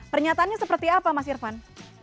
pernyataannya seperti apa mas irfan